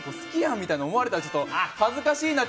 みたいに思われたら恥ずかしいなと。